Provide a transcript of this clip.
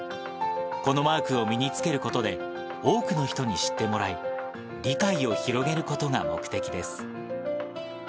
このマークを身につけることで、多くの人に知ってもらい、理解を広げることが目的です。